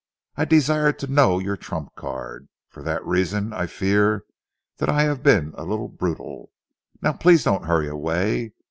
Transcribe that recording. I desired to know your trump card. For that reason I fear that I have been a little brutal. Now please don't hurry away.